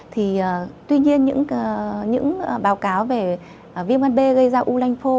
thì tuy nhiên những báo cáo về viêm gan b gây ra u lanh phô